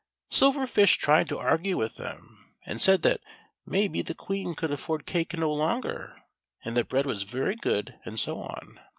Silver Fish tried to argue with them, and said that may be the Queen could afi'ord cake no longer, and that bread was very good, and so on.